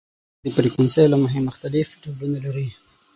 • ږغ د فریکونسۍ له مخې مختلف ډولونه لري.